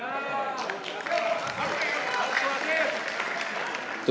tidak perlu menggunakan strategi konfrontatif